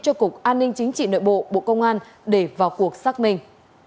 cho cục an ninh chính trị nội bộ bộ công an để vào cuộc xác minh